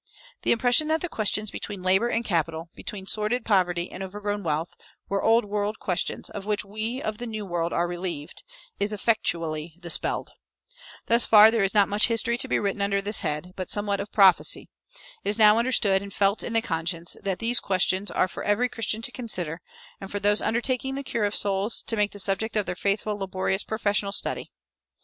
The impression that the questions between labor and capital, between sordid poverty and overgrown wealth, were old world questions, of which we of the New World are relieved, is effectually dispelled. Thus far there is not much of history to be written under this head, but somewhat of prophecy. It is now understood, and felt in the conscience, that these questions are for every Christian to consider, and for those undertaking the cure of souls to make the subject of their faithful, laborious professional study.